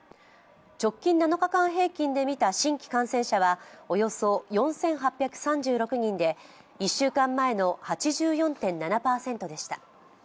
直近７日間平均で見た新規感染者はおよそ４８３６人で、１週間前の８４．７％でした。